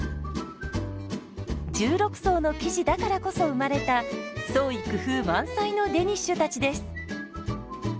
１６層の生地だからこそ生まれた創意工夫満載のデニッシュたちです。